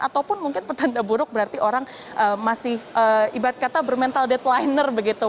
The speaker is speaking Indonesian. ataupun mungkin pertanda buruk berarti orang masih ibarat kata bermental deadliner begitu